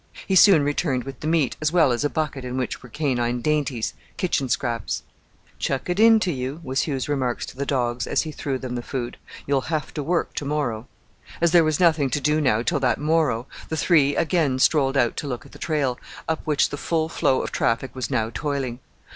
He soon returned with the meat, as well as a bucket in which were canine dainties kitchen scraps. "Chuck it into you," was Hugh's remark to the dogs as he threw them the food; "you'll have to work to morrow." As there was nothing to do now till that morrow, the three again strolled out to look at the trail, up which the full flow of traffic was now toiling.